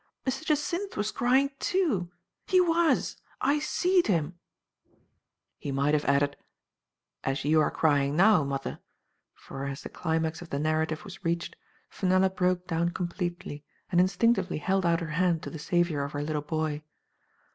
] Mr. Jacynth was crying, too ; he was ;/ seed kim'' He might have added "as you are crying now, mother," for as the climax of the narrative was reached, Fe nella broke down completely, and instinctively held out her hand to the savior of her little boy.